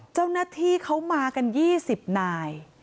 เจ้าหน้าที่เขามากัน๒๐นาย